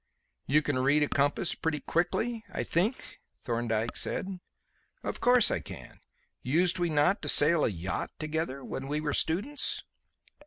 "You can read a compass pretty quickly, I think?" Thorndyke said. "Of course I can. Used we not to sail a yacht together when we were students?"